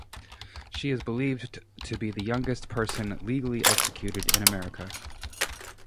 She is believed to be the youngest person legally executed in America.